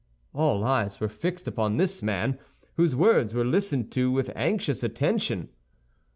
All eyes were fixed upon this man, whose words were listened to with anxious attention.